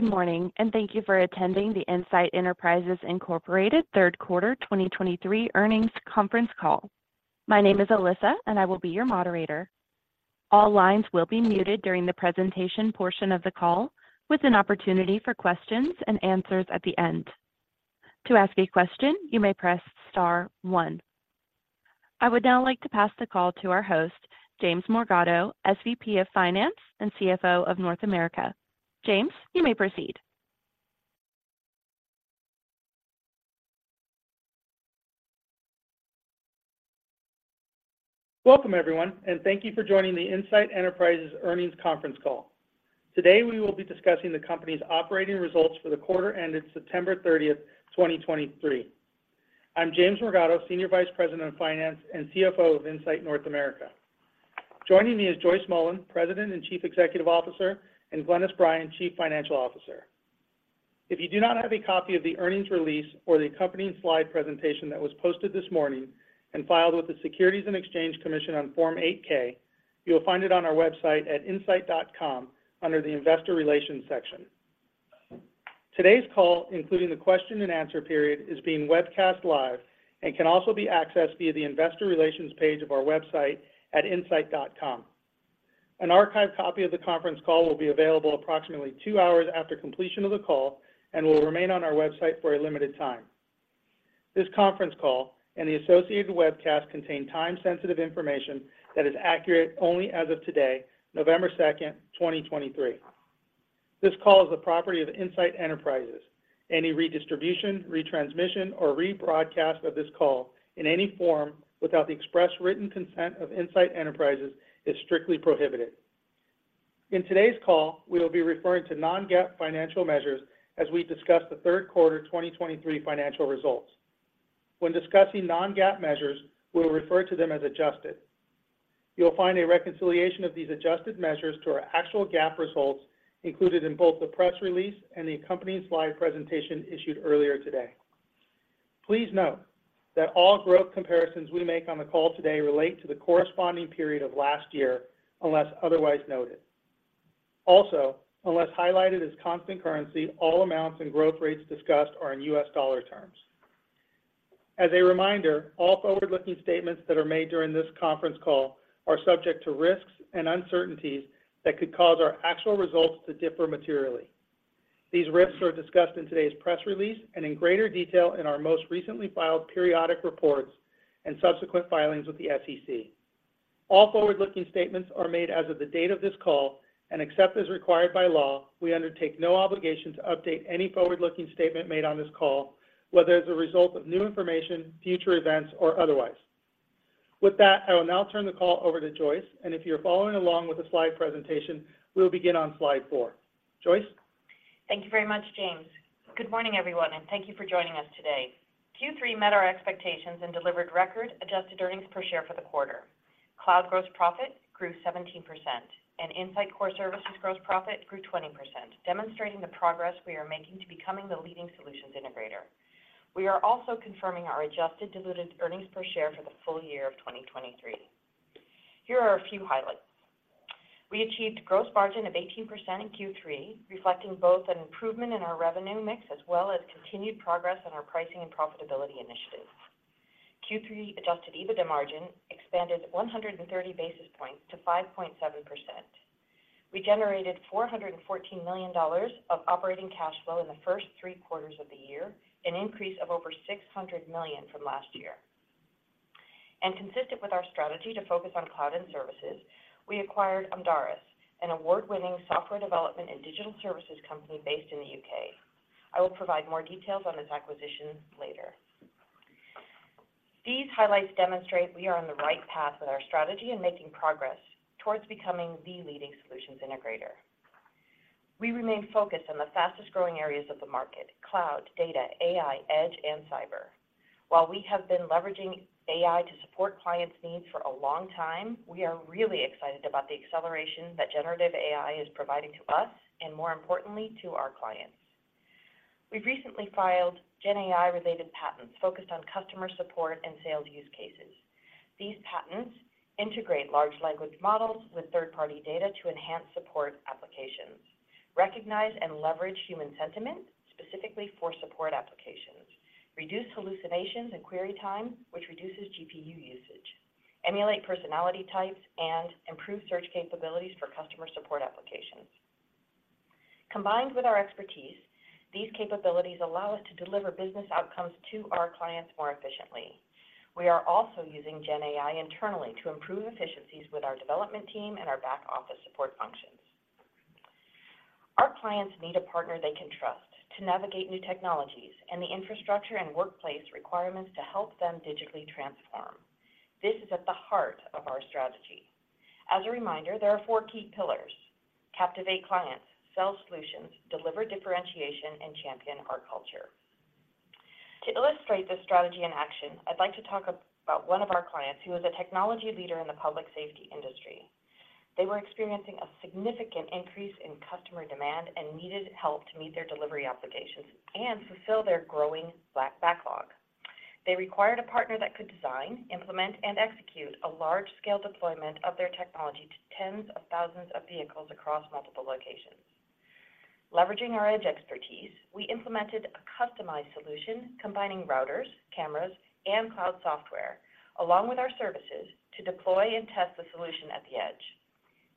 Good morning, and thank you for attending the Insight Enterprises Incorporated third quarter 2023 earnings conference call. My name is Alyssa, and I will be your moderator. All lines will be muted during the presentation portion of the call, with an opportunity for questions and answers at the end. To ask a question, you may press star one. I would now like to pass the call to our host, James Morgado, SVP of Finance and CFO of North America. James, you may proceed. Welcome, everyone, and thank you for joining the Insight Enterprises Earnings Conference Call. Today, we will be discussing the company's operating results for the quarter ended September 30, 2023. I'm James Morgado, Senior Vice President of Finance and CFO of Insight North America. Joining me is Joyce Mullen, President and Chief Executive Officer, and Glynis Bryan, Chief Financial Officer. If you do not have a copy of the earnings release or the accompanying slide presentation that was posted this morning and filed with the Securities and Exchange Commission on Form 8-K, you will find it on our website at insight.com under the Investor Relations section. Today's call, including the question and answer period, is being webcast live and can also be accessed via the investor relations page of our website at insight.com. An archived copy of the conference call will be available approximately two hours after completion of the call and will remain on our website for a limited time. This conference call and the associated webcast contain time-sensitive information that is accurate only as of today, November 2nd, 2023. This call is the property of Insight Enterprises. Any redistribution, retransmission, or rebroadcast of this call in any form without the express written consent of Insight Enterprises is strictly prohibited. In today's call, we will be referring to non-GAAP financial measures as we discuss the third quarter 2023 financial results. When discussing non-GAAP measures, we'll refer to them as adjusted. You will find a reconciliation of these adjusted measures to our actual GAAP results included in both the press release and the accompanying slide presentation issued earlier today. Please note that all growth comparisons we make on the call today relate to the corresponding period of last year, unless otherwise noted. Also, unless highlighted as constant currency, all amounts and growth rates discussed are in US dollar terms. As a reminder, all forward-looking statements that are made during this conference call are subject to risks and uncertainties that could cause our actual results to differ materially. These risks are discussed in today's press release and in greater detail in our most recently filed periodic reports and subsequent filings with the SEC. All forward-looking statements are made as of the date of this call, and except as required by law, we undertake no obligation to update any forward-looking statement made on this call, whether as a result of new information, future events, or otherwise. With that, I will now turn the call over to Joyce, and if you're following along with the slide presentation, we will begin on slide four. Joyce? Thank you very much, James. Good morning, everyone, and thank you for joining us today. Q3 met our expectations and delivered record adjusted earnings per share for the quarter. Cloud gross profit grew 17%, and Insight Core Services gross profit grew 20%, demonstrating the progress we are making to becoming the leading Solutions Integrator. We are also confirming our adjusted diluted earnings per share for the full year of 2023. Here are a few highlights: We achieved gross margin of 18% in Q3, reflecting both an improvement in our revenue mix as well as continued progress on our pricing and profitability initiatives. Q3 adjusted EBITDA margin expanded 130 basis points to 5.7%. We generated $414 million of operating cash flow in the first three quarters of the year, an increase of over $600 million from last year. Consistent with our strategy to focus on cloud and services, we acquired Amdaris, an award-winning software development and digital services company based in the UK. I will provide more details on this acquisition later. These highlights demonstrate we are on the right path with our strategy and making progress towards becoming the leading solutions integrator. We remain focused on the fastest-growing areas of the market: cloud, data, AI, edge, and cyber. While we have been leveraging AI to support clients' needs for a long time, we are really excited about the acceleration that generative AI is providing to us and, more importantly, to our clients. We've recently filed GenAI-related patents focused on customer support and sales use cases. These patents integrate large language models with third-party data to enhance support applications, recognize and leverage human sentiment, specifically for support applications, reduce hallucinations and query time, which reduces GPU usage, emulate personality types, and improve search capabilities for customer support applications. Combined with our expertise, these capabilities allow us to deliver business outcomes to our clients more efficiently. We are also using GenAI internally to improve efficiencies with our development team and our back-office support functions. Our clients need a partner they can trust to navigate new technologies and the infrastructure and workplace requirements to help them digitally transform. This is at the heart of our strategy. As a reminder, there are four key pillars: captivate clients, sell solutions, deliver differentiation, and champion our culture. To illustrate this strategy in action, I'd like to talk about one of our clients who is a technology leader in the public safety industry. They were experiencing a significant increase in customer demand and needed help to meet their delivery obligations and fulfill their growing backlog. They required a partner that could design, implement, and execute a large-scale deployment of their technology to tens of thousands of vehicles across multiple locations. Leveraging our edge expertise, we implemented a customized solution, combining routers, cameras, and cloud software, along with our services, to deploy and test the solution at the edge.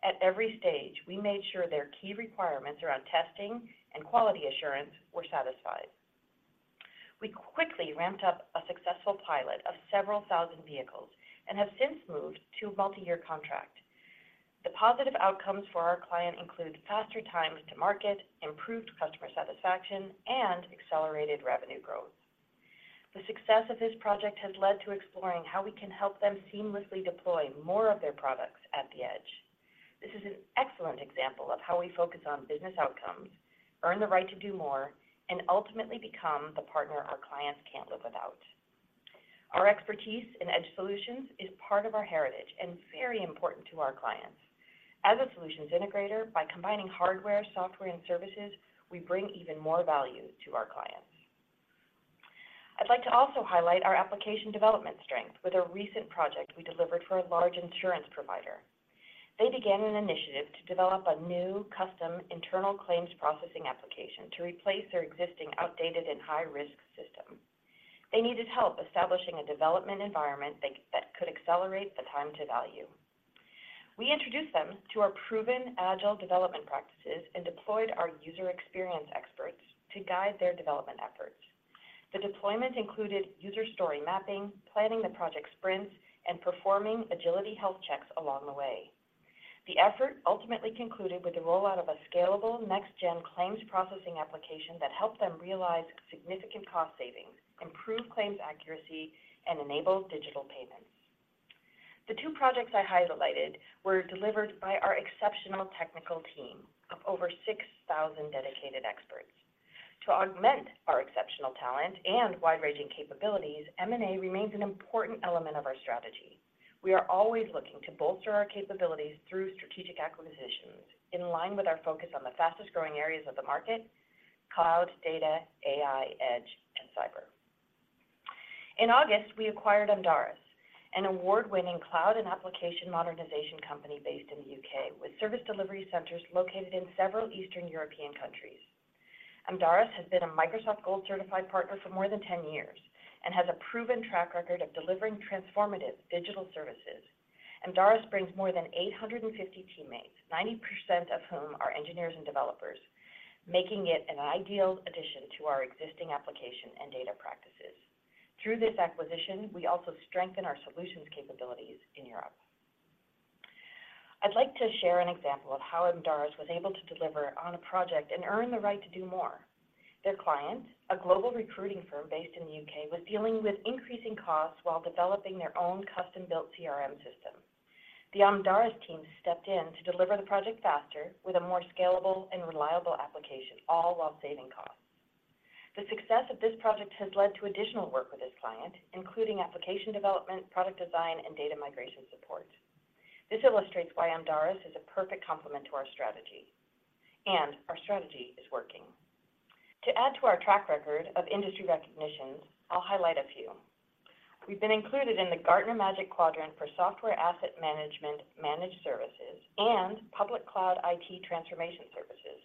At every stage, we made sure their key requirements around testing and quality assurance were satisfied. We quickly ramped up a successful pilot of several thousand vehicles and have since moved to a multiyear contract. The positive outcomes for our client include faster times to market, improved customer satisfaction, and accelerated revenue growth. The success of this project has led to exploring how we can help them seamlessly deploy more of their products at the edge. This is an excellent example of how we focus on business outcomes, earn the right to do more, and ultimately become the partner our clients can't live without. Our expertise in edge solutions is part of our heritage and very important to our clients. As a solutions integrator, by combining hardware, software, and services, we bring even more value to our clients. I'd like to also highlight our application development strength with a recent project we delivered for a large insurance provider. They began an initiative to develop a new, custom, internal claims processing application to replace their existing, outdated, and high-risk system. They needed help establishing a development environment that could accelerate the time to value. We introduced them to our proven agile development practices and deployed our user experience experts to guide their development efforts. The deployment included user story mapping, planning the project sprints, and performing agility health checks along the way. The effort ultimately concluded with the rollout of a scalable next-gen claims processing application that helped them realize significant cost savings, improve claims accuracy, and enable digital payments. The two projects I highlighted were delivered by our exceptional technical team of over 6,000 dedicated experts. To augment our exceptional talent and wide-ranging capabilities, M&A remains an important element of our strategy. We are always looking to bolster our capabilities through strategic acquisitions, in line with our focus on the fastest-growing areas of the market: cloud, data, AI, edge, and cyber. In August, we acquired Amdaris, an award-winning cloud and application modernization company based in the UK, with service delivery centers located in several Eastern European countries. Amdaris has been a Microsoft Gold-certified partner for more than 10 years and has a proven track record of delivering transformative digital services. Amdaris brings more than 850 teammates, 90% of whom are engineers and developers, making it an ideal addition to our existing application and data practices. Through this acquisition, we also strengthen our solutions capabilities in Europe. I'd like to share an example of how Amdaris was able to deliver on a project and earn the right to do more. Their client, a global recruiting firm based in the UK, was dealing with increasing costs while developing their own custom-built CRM system. The Amdaris team stepped in to deliver the project faster, with a more scalable and reliable application, all while saving costs. The success of this project has led to additional work with this client, including application development, product design, and data migration support. This illustrates why Amdaris is a perfect complement to our strategy, and our strategy is working. To add to our track record of industry recognitions, I'll highlight a few. We've been included in the Gartner Magic Quadrant for Software Asset Management Managed Services and Public Cloud IT Transformation Services.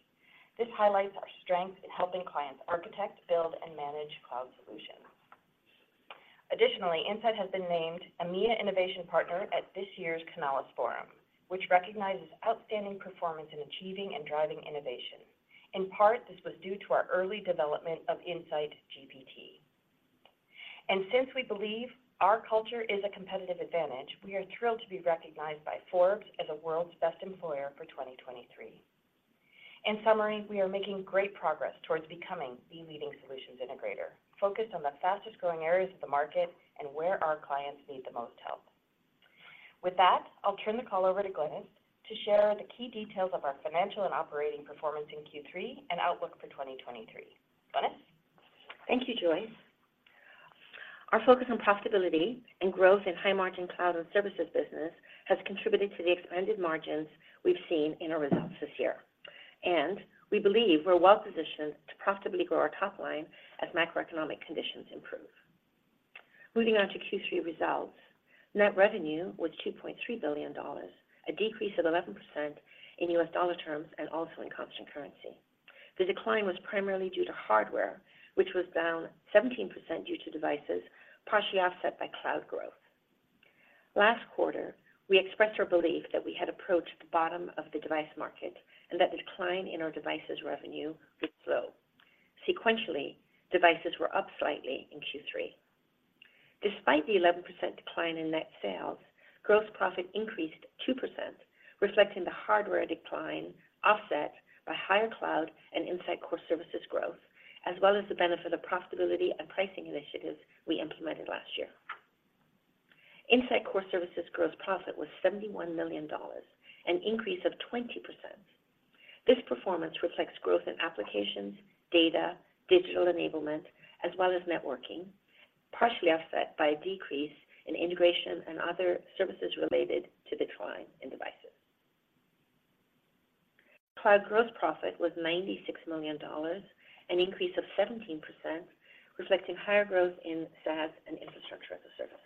This highlights our strength in helping clients architect, build, and manage cloud solutions. Additionally, Insight has been named EMEA Innovation Partner at this year's Canalys Forum, which recognizes outstanding performance in achieving and driving innovation. In part, this was due to our early development of Insight GPT. Since we believe our culture is a competitive advantage, we are thrilled to be recognized by Forbes as the World's Best Employer for 2023. In summary, we are making great progress towards becoming the leading solutions integrator, focused on the fastest-growing areas of the market and where our clients need the most help. With that, I'll turn the call over to Glynis to share the key details of our financial and operating performance in Q3 and outlook for 2023. Glynis? Thank you, Joyce. Our focus on profitability and growth in high-margin cloud and services business has contributed to the expanded margins we've seen in our results this year, and we believe we're well positioned to profitably grow our top line as macroeconomic conditions improve. Moving on to Q3 results. Net revenue was $2.3 billion, a decrease of 11% in US dollar terms and also in constant currency. The decline was primarily due to hardware, which was down 17% due to devices, partially offset by cloud growth. Last quarter, we expressed our belief that we had approached the bottom of the device market and that the decline in our devices revenue would slow. Sequentially, devices were up slightly in Q3. Despite the 11% decline in net sales, gross profit increased 2%, reflecting the hardware decline offset by higher cloud and Insight Core Services growth, as well as the benefit of profitability and pricing initiatives we implemented last year. Insight Core Services gross profit was $71 million, an increase of 20%. This performance reflects growth in applications, data, digital enablement, as well as networking, partially offset by a decrease in integration and other services related to decline in devices. Cloud gross profit was $96 million, an increase of 17%, reflecting higher growth in SaaS and infrastructure as a service.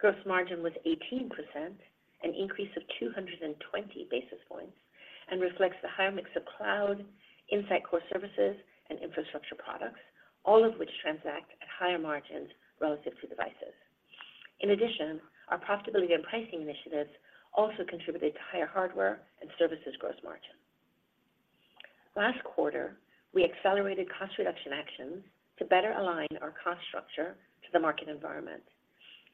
Gross margin was 18%, an increase of 220 basis points, and reflects the higher mix of cloud, Insight Core Services, and infrastructure products, all of which transact at higher margins relative to devices. In addition, our profitability and pricing initiatives also contributed to higher hardware and services gross margin. Last quarter, we accelerated cost reduction actions to better align our cost structure to the market environment.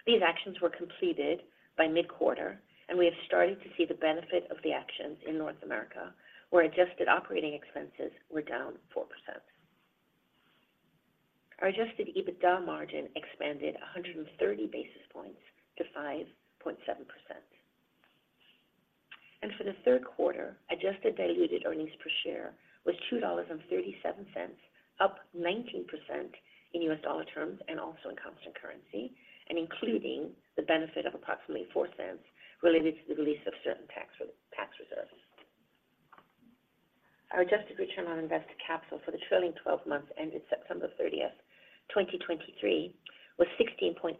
These actions were completed by mid-quarter, and we have started to see the benefit of the actions in North America, where adjusted operating expenses were down 4%. Our adjusted EBITDA margin expanded 100 basis points to 5.7%. And for the third quarter, adjusted diluted earnings per share was $2.37, up 19% in U.S. dollar terms and also in constant currency, and including the benefit of approximately $0.04 related to the release of certain tax reserves. Our adjusted return on invested capital for the trailing 12 months ended September 30th, 2023, was 16.8%,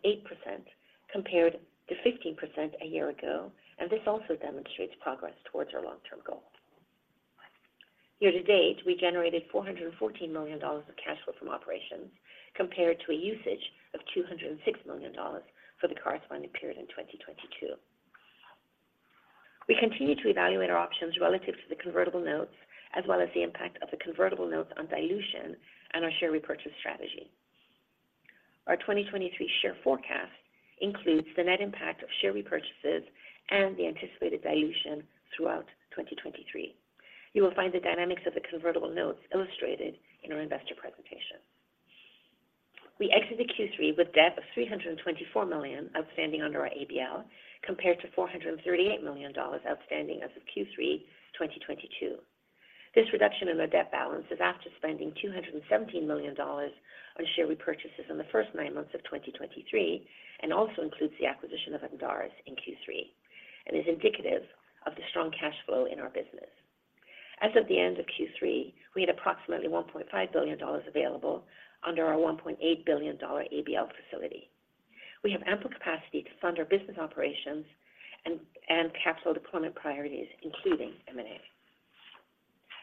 compared to 15% a year ago, and this also demonstrates progress towards our long-term goal. Year to date, we generated $414 million of cash flow from operations, compared to a usage of $206 million for the corresponding period in 2022. We continue to evaluate our options relative to the convertible notes, as well as the impact of the convertible notes on dilution and our share repurchase strategy. Our 2023 share forecast includes the net impact of share repurchases and the anticipated dilution throughout 2023. You will find the dynamics of the convertible notes illustrated in our investor presentation. We exited Q3 with debt of $324 million outstanding under our ABL, compared to $438 million outstanding as of Q3 2022. This reduction in our debt balance is after spending $217 million on share repurchases in the first nine months of 2023, and also includes the acquisition of Amdaris in Q3, and is indicative of the strong cash flow in our business. As of the end of Q3, we had approximately $1.5 billion available under our $1.8 billion ABL facility. We have ample capacity to fund our business operations and capital deployment priorities, including M&A.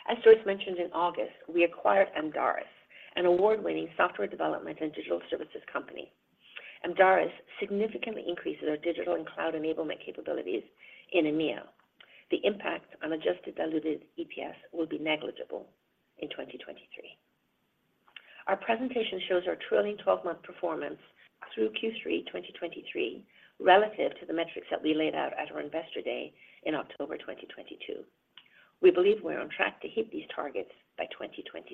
As Joyce mentioned, in August, we acquired Amdaris, an award-winning software development and digital services company. Amdaris significantly increases our digital and cloud enablement capabilities in EMEA. The impact on Adjusted Diluted EPS will be negligible in 2023. Our presentation shows our trailing 12 month performance through Q3 2023, relative to the metrics that we laid out at our Investor Day in October 2022. We believe we're on track to hit these targets by 2027.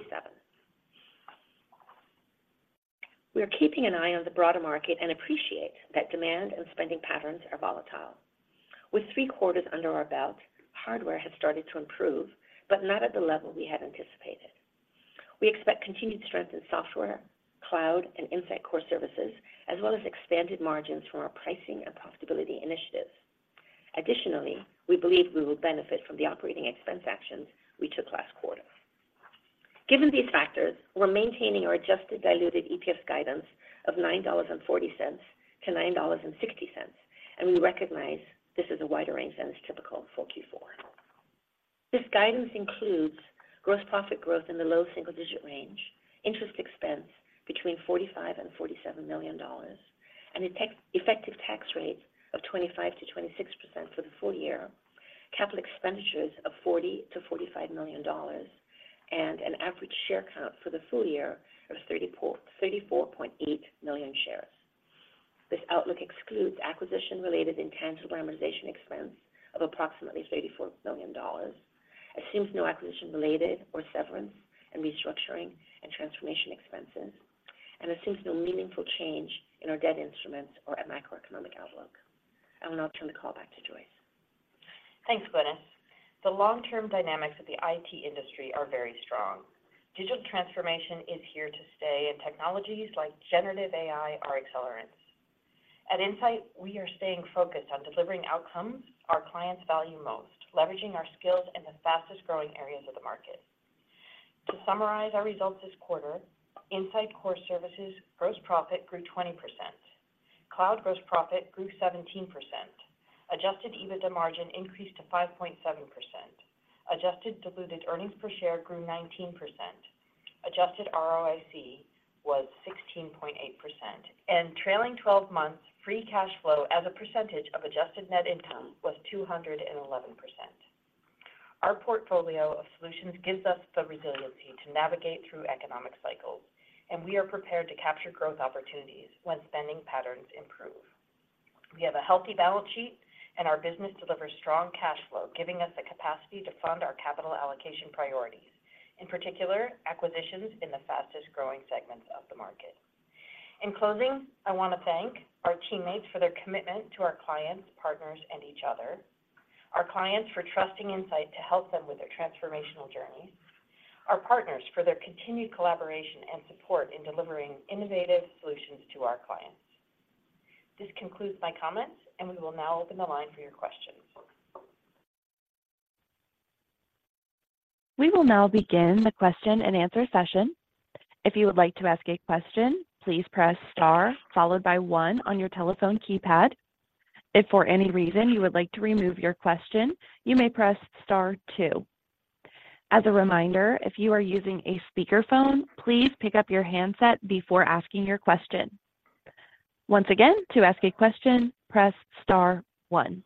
We are keeping an eye on the broader market and appreciate that demand and spending patterns are volatile. With three quarters under our belt, hardware has started to improve, but not at the level we had anticipated. We expect continued strength in software, cloud, and Insight Core Services, as well as expanded margins from our pricing and profitability initiatives. Additionally, we believe we will benefit from the operating expense actions we took last quarter. Given these factors, we're maintaining our adjusted diluted EPS guidance of $9.40-$9.60, and we recognize this is a wider range than is typical for Q4. This guidance includes gross profit growth in the low single-digit range, interest expense between $45 million and $47 million, and an effective tax rate of 25%-26% for the full year, capital expenditures of $40-$45 million, and an average share count for the full year of 34.8 million shares. This outlook excludes acquisition-related intangible amortization expense of approximately $34 million, assumes no acquisition-related or severance and restructuring and transformation expenses, and assumes no meaningful change in our debt instruments or the macroeconomic outlook. I will now turn the call back to Joyce. Thanks, Glynis. The long-term dynamics of the IT industry are very strong. Digital transformation is here to stay, and technologies like generative AI are accelerants. At Insight, we are staying focused on delivering outcomes our clients value most, leveraging our skills in the fastest-growing areas of the market. To summarize our results this quarter, Insight Core Services gross profit grew 20%, cloud gross profit grew 17%, Adjusted EBITDA margin increased to 5.7%, adjusted diluted earnings per share grew 19%, Adjusted ROIC was 16.8%, and trailing twelve months free cash flow as a percentage of adjusted net income was 211%. Our portfolio of solutions gives us the resiliency to navigate through economic cycles, and we are prepared to capture growth opportunities when spending patterns improve. We have a healthy balance sheet, and our business delivers strong cash flow, giving us the capacity to fund our capital allocation priorities, in particular, acquisitions in the fastest-growing segments of the market. In closing, I want to thank our teammates for their commitment to our clients, partners, and each other, our clients for trusting Insight to help them with their transformational journeys, our partners for their continued collaboration and support in delivering innovative solutions to our clients.... This concludes my comments, and we will now open the line for your questions. We will now begin the question and answer session. If you would like to ask a question, please press star followed by one on your telephone keypad. If for any reason you would like to remove your question, you may press star two. As a reminder, if you are using a speakerphone, please pick up your handset before asking your question. Once again, to ask a question, press star one.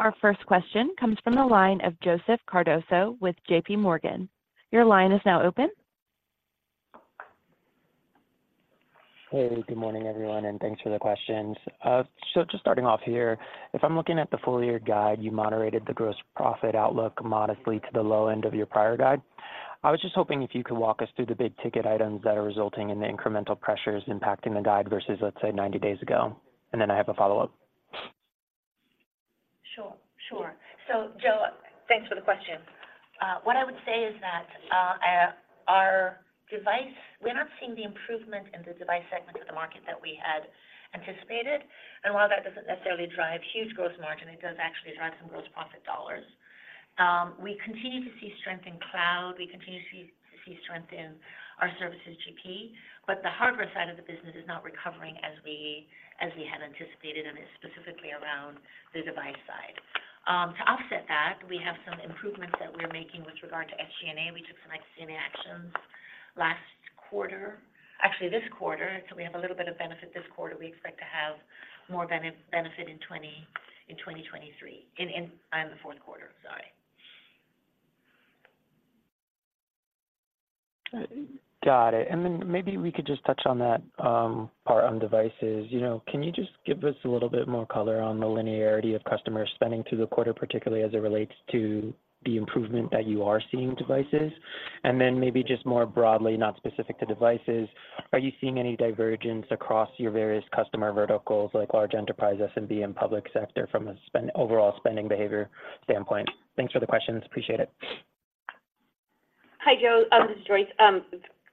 Our first question comes from the line of Joseph Cardoso with JPMorgan. Your line is now open. Hey, good morning, everyone, and thanks for the questions. So just starting off here, if I'm looking at the full year guide, you moderated the gross profit outlook modestly to the low end of your prior guide. I was just hoping if you could walk us through the big ticket items that are resulting in the incremental pressures impacting the guide versus, let's say, 90 days ago. And then I have a follow-up. Sure, sure. So Joe, thanks for the question. What I would say is that our device—we're not seeing the improvement in the device segment of the market that we had anticipated, and while that doesn't necessarily drive huge gross margin, it does actually drive some gross profit dollars. We continue to see strength in cloud. We continue to see strength in our services GP, but the hardware side of the business is not recovering as we had anticipated, and it's specifically around the device side. To offset that, we have some improvements that we're making with regard to SG&A. We took some SG&A actions last quarter, actually this quarter, so we have a little bit of benefit this quarter. We expect to have more benefit in 2023, in the fourth quarter. Sorry. Got it. And then maybe we could just touch on that, part on devices. You know, can you just give us a little bit more color on the linearity of customer spending through the quarter, particularly as it relates to the improvement that you are seeing in devices? And then maybe just more broadly, not specific to devices, are you seeing any divergence across your various customer verticals, like large enterprise, SMB, and public sector from a spend, overall spending behavior standpoint? Thanks for the questions. Appreciate it. Hi, Joe, this is Joyce.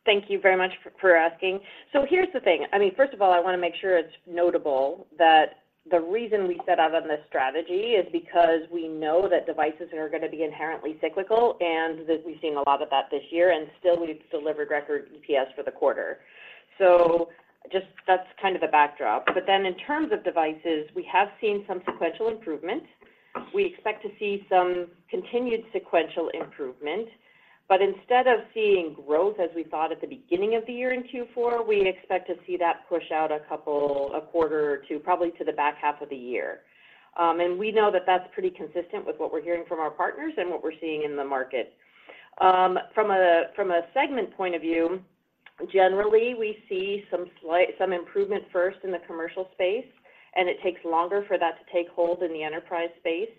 Thank you very much for, for asking. So here's the thing. I mean, first of all, I want to make sure it's notable that the reason we set out on this strategy is because we know that devices are going to be inherently cyclical, and that we've seen a lot of that this year, and still we've delivered record EPS for the quarter. So just... That's kind of the backdrop. But then in terms of devices, we have seen some sequential improvement. We expect to see some continued sequential improvement, but instead of seeing growth as we thought at the beginning of the year in Q4, we expect to see that push out a couple, a quarter or two, probably to the back half of the year. And we know that that's pretty consistent with what we're hearing from our partners and what we're seeing in the market. From a segment point of view, generally, we see some slight, some improvement first in the commercial space, and it takes longer for that to take hold in the enterprise space.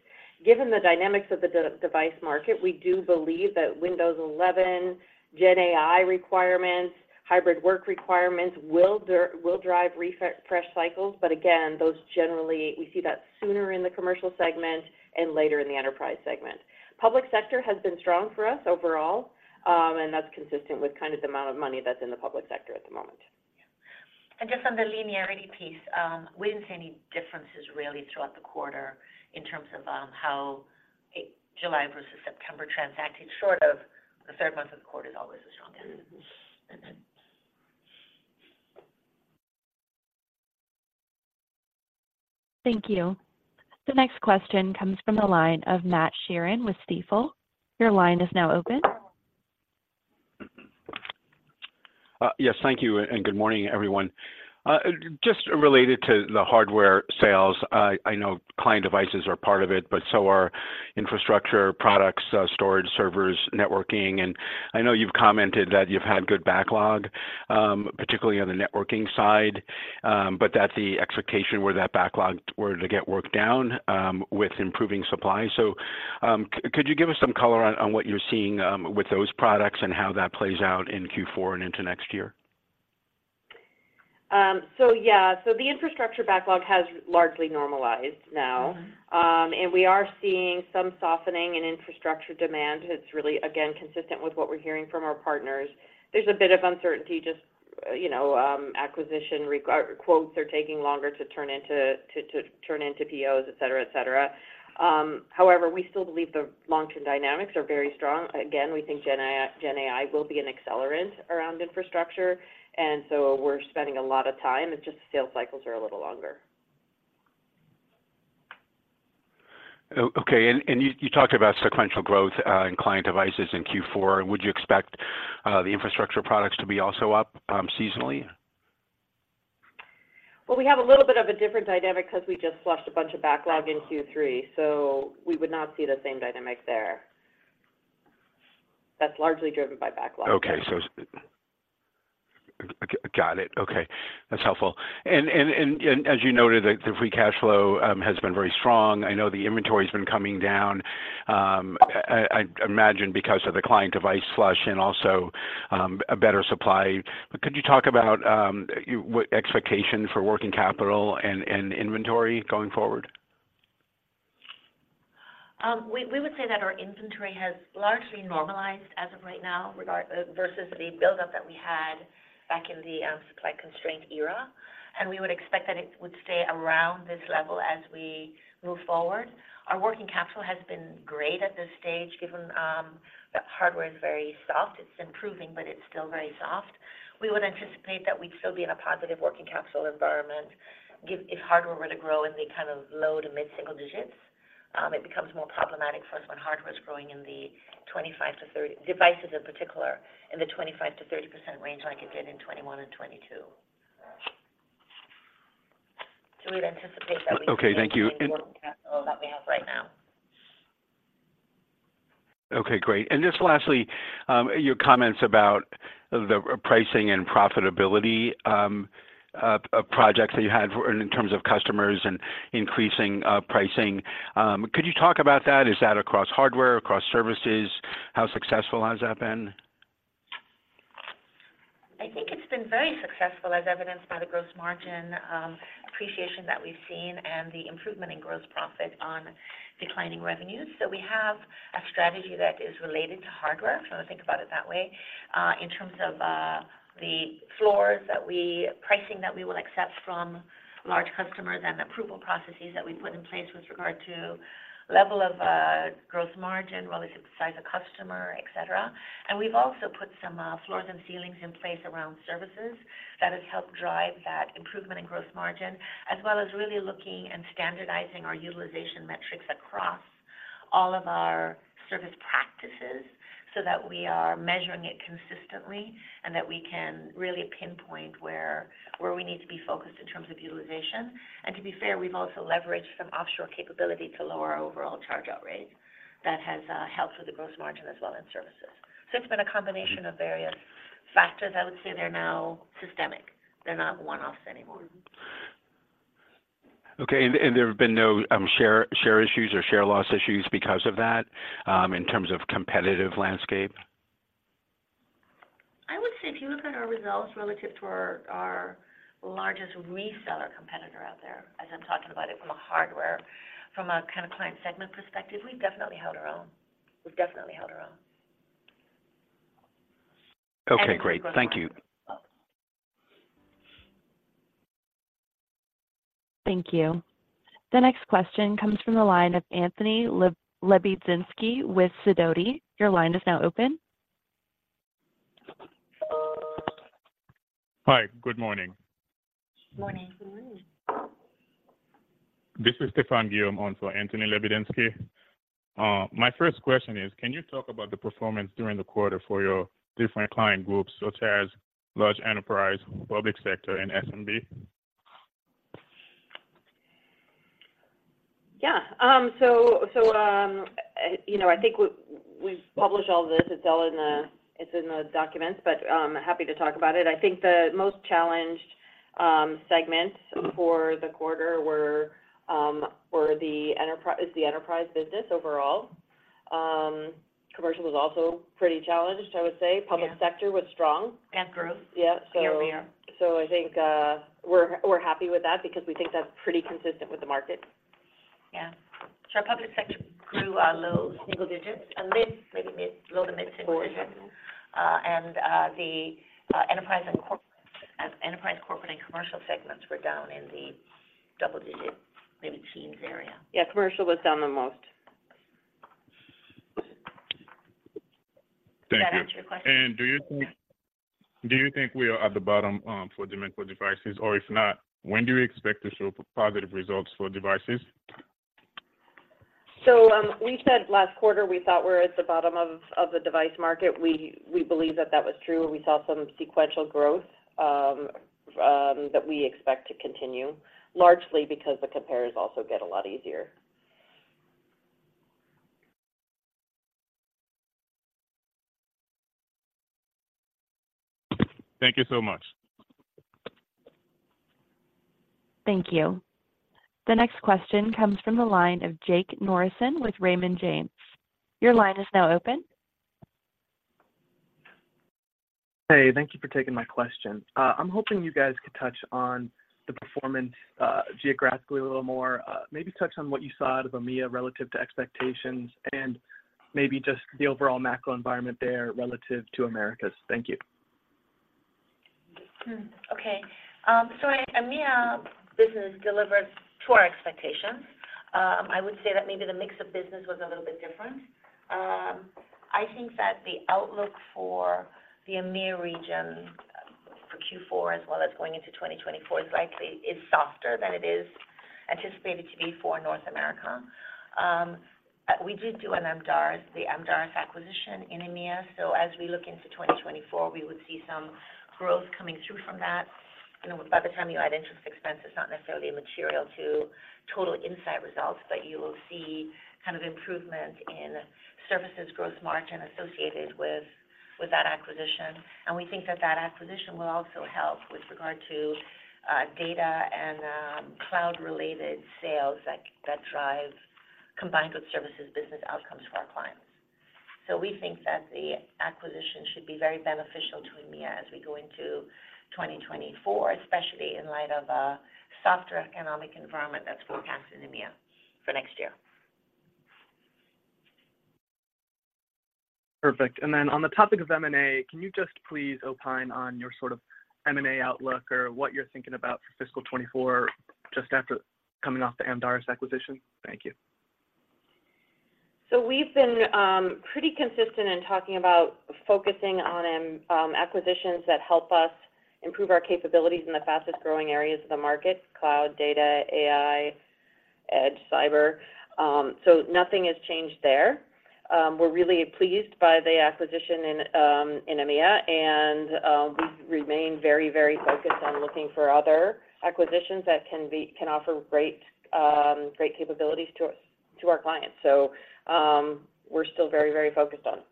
Given the dynamics of the device market, we do believe that Windows 11, GenAI requirements, hybrid work requirements will drive refresh cycles, but again, those generally, we see that sooner in the commercial segment and later in the enterprise segment. Public sector has been strong for us overall, and that's consistent with kind of the amount of money that's in the public sector at the moment. Just on the linearity piece, we didn't see any differences really throughout the quarter in terms of how July versus September transacted, short of the third month of the quarter is always the strongest. Thank you. The next question comes from the line of Matt Sheerin with Stifel. Your line is now open. Yes, thank you, and good morning, everyone. Just related to the hardware sales, I know client devices are part of it, but so are infrastructure products, storage, servers, networking, and I know you've commented that you've had good backlog, particularly on the networking side, but that the expectation were that backlog were to get worked down, with improving supply. So, could you give us some color on what you're seeing with those products and how that plays out in Q4 and into next year? So yeah. So the infrastructure backlog has largely normalized now. And we are seeing some softening in infrastructure demand. It's really, again, consistent with what we're hearing from our partners. There's a bit of uncertainty, just, you know, acquisition quotes are taking longer to turn into POs, et cetera, et cetera. However, we still believe the long-term dynamics are very strong. Again, we think Gen AI will be an accelerant around infrastructure, and so we're spending a lot of time. It's just the sales cycles are a little longer. Okay, and you talked about sequential growth in client devices in Q4. Would you expect the infrastructure products to be also up seasonally? Well, we have a little bit of a different dynamic because we just flushed a bunch of backlog in Q3, so we would not see the same dynamic there. That's largely driven by backlog. Okay. So got it. Okay, that's helpful. And as you noted, the free cash flow has been very strong. I know the inventory's been coming down. I imagine because of the client device flush and also a better supply. Could you talk about what expectation for working capital and inventory going forward? We would say that our inventory has largely normalized as of right now, regarding versus the buildup that we had back in the supply constraint era. And we would expect that it would stay around this level as we move forward. Our working capital has been great at this stage, given that hardware is very soft. It's improving, but it's still very soft. We would anticipate that we'd still be in a positive working capital environment, given if hardware were to grow in the kind of low to mid-single digits. It becomes more problematic for us when hardware is growing in the 25-30-- devices in particular, in the 25%-30% range like it did in 2021 and 2022. So we'd anticipate that we- Okay, thank you. that we have right now. Okay, great. And just lastly, your comments about the pricing and profitability of projects that you had in terms of customers and increasing pricing. Could you talk about that? Is that across hardware, across services? How successful has that been? I think it's been very successful, as evidenced by the gross margin appreciation that we've seen and the improvement in gross profit on declining revenues. So we have a strategy that is related to hardware, if you want to think about it that way, in terms of the floors pricing that we will accept from large customers and approval processes that we put in place with regard to level of gross margin relative to the size of customer, et cetera. We've also put some floors and ceilings in place around services that has helped drive that improvement in gross margin, as well as really looking and standardizing our utilization metrics across all of our service practices so that we are measuring it consistently and that we can really pinpoint where we need to be focused in terms of utilization. To be fair, we've also leveraged some offshore capability to lower our overall charge-out rates. That has helped with the gross margin as well in services. It's been a combination of various factors. I would say they're now systemic. They're not one-offs anymore. Okay, and there have been no share issues or share loss issues because of that, in terms of competitive landscape? I would say if you look at our results relative to our, our largest reseller competitor out there, as I'm talking about it from a hardware, from a kind of client segment perspective, we've definitely held our own. We've definitely held our own. Okay, great. Thank you. Thank you. The next question comes from the line of Anthony Lebiedzinski with Sidoti. Your line is now open. Hi, good morning. Good morning. Good morning. This is Stephan Guillaume on for Anthony Lebiedzinski. My first question is, can you talk about the performance during the quarter for your different client groups, such as large enterprise, public sector, and SMB? Yeah. So, you know, I think we've published all this. It's in the documents, but happy to talk about it. I think the most challenged segments for the quarter was the enterprise business overall. Commercial was also pretty challenged, I would say. Yeah. Public sector was strong. And growth. Yeah. Year-over-year. I think we're happy with that because we think that's pretty consistent with the market. Yeah. So our public sector grew low single digits, mid, maybe mid, low to mid single digits. Four. The enterprise, corporate, and commercial segments were down in the double digits, maybe teens area. Yeah, commercial was down the most. Thank you. Does that answer your question? Do you think- Yeah. Do you think we are at the bottom, for demand for devices? Or if not, when do you expect to show positive results for devices? We said last quarter, we thought we're at the bottom of the device market. We believe that that was true. We saw some sequential growth that we expect to continue, largely because the compares also get a lot easier. Thank you so much. Thank you. The next question comes from the line of Jake Norrison with Raymond James. Your line is now open. Hey, thank you for taking my question. I'm hoping you guys could touch on the performance, geographically a little more. Maybe touch on what you saw out of EMEA relative to expectations and maybe just the overall macro environment there relative to Americas. Thank you. Hmm, okay. So our EMEA business delivered to our expectations. I would say that maybe the mix of business was a little bit different. I think that the outlook for the EMEA region for Q4, as well as going into 2024, is likely is softer than it is anticipated to be for North America. We did do an Amdaris, the Amdaris acquisition in EMEA, so as we look into 2024, we would see some growth coming through from that. You know, by the time you add interest expense, it's not necessarily material to total Insight results, but you will see kind of improvement in services gross margin associated with, with that acquisition. And we think that that acquisition will also help with regard to, data and, cloud-related sales that, that drive combined good services business outcomes for our clients.... So we think that the acquisition should be very beneficial to EMEA as we go into 2024, especially in light of a softer economic environment that's forecast in EMEA for next year. Perfect. And then on the topic of M&A, can you just please opine on your sort of M&A outlook or what you're thinking about for fiscal 2024, just after coming off the Amdaris acquisition? Thank you. So we've been pretty consistent in talking about focusing on acquisitions that help us improve our capabilities in the fastest-growing areas of the market, cloud, data, AI, edge, cyber. So nothing has changed there. We're really pleased by the acquisition in EMEA, and we remain very, very focused on looking for other acquisitions that can offer great capabilities to our clients. So we're still very, very focused on it.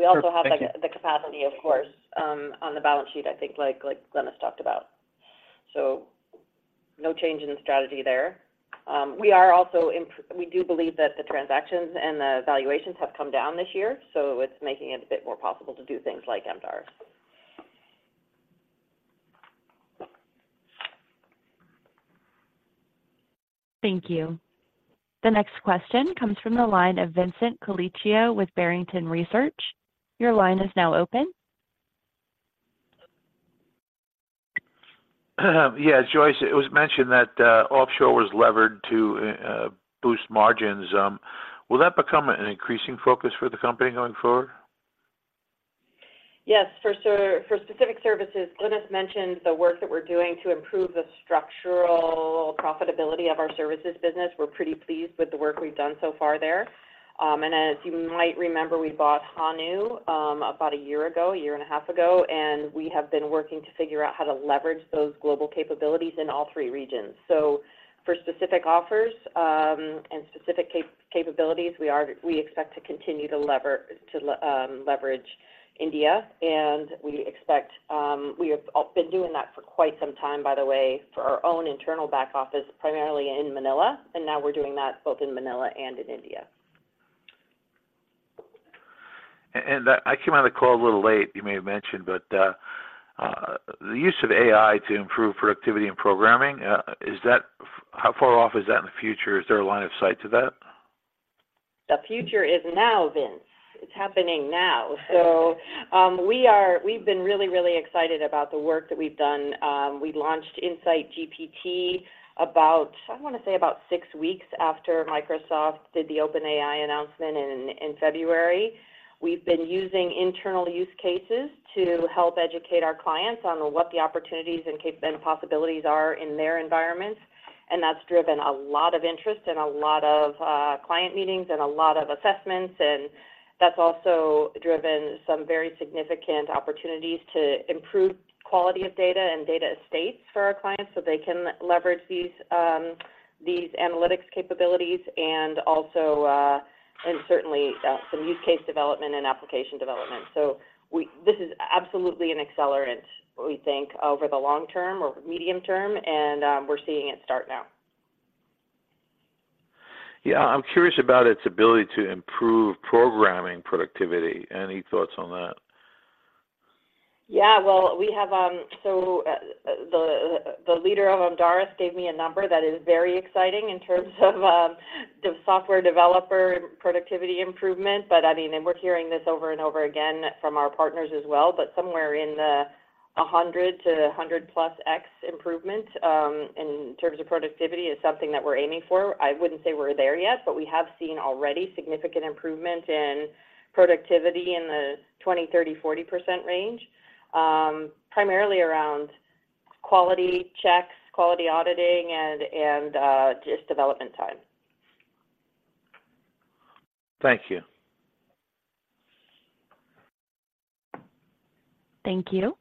Perfect. Thank you. We also have, like, the capacity, of course, on the balance sheet, I think, like Glynis talked about. So no change in the strategy there. We are also, we do believe that the transactions and the valuations have come down this year, so it's making it a bit more possible to do things like Amdaris. Thank you. The next question comes from the line of Vincent Colicchio with Barrington Research. Your line is now open. Yeah, Joyce, it was mentioned that offshore was levered to boost margins. Will that become an increasing focus for the company going forward? Yes, for specific services, Glynis mentioned the work that we're doing to improve the structural profitability of our services business. We're pretty pleased with the work we've done so far there. And as you might remember, we bought Hanu about a year ago, a year and a half ago, and we have been working to figure out how to leverage those global capabilities in all three regions. So for specific offers, and specific capabilities, we expect to continue to leverage India, and we expect. We have been doing that for quite some time, by the way, for our own internal back office, primarily in Manila, and now we're doing that both in Manila and in India. I came on the call a little late. You may have mentioned, but the use of AI to improve productivity and programming, is that how far off is that in the future? Is there a line of sight to that? The future is now, Vince. It's happening now. We are-- we've been really, really excited about the work that we've done. We launched Insight GPT about, I wanna say, about six weeks after Microsoft did the OpenAI announcement in, in February. We've been using internal use cases to help educate our clients on what the opportunities and cap- and possibilities are in their environments, and that's driven a lot of interest and a lot of client meetings and a lot of assessments, and that's also driven some very significant opportunities to improve quality of data and data estates for our clients, so they can leverage these, these analytics capabilities and also, and certainly, some use case development and application development. We-- this is absolutely an accelerant, we think, over the long term or medium term, and we're seeing it start now. Yeah. I'm curious about its ability to improve programming productivity. Any thoughts on that? Yeah, well, we have... So, the leader of Amdaris gave me a number that is very exciting in terms of the software developer productivity improvement. But I mean, and we're hearing this over and over again from our partners as well. But somewhere in the 100 to 100+ x improvement in terms of productivity is something that we're aiming for. I wouldn't say we're there yet, but we have seen already significant improvement in productivity in the 20, 30, 40% range, primarily around quality checks, quality auditing, and just development time. Thank you. Thank you.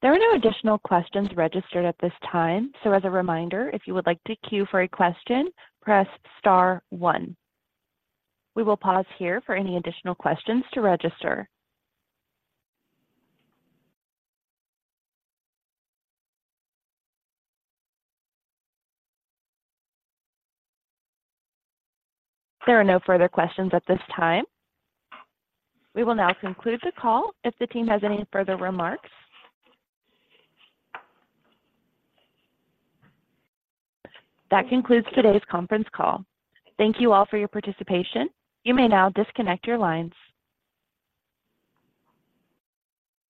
There are no additional questions registered at this time, so as a reminder, if you would like to queue for a question, press star one. We will pause here for any additional questions to register. There are no further questions at this time. We will now conclude the call if the team has any further remarks. That concludes today's conference call. Thank you all for your participation. You may now disconnect your lines.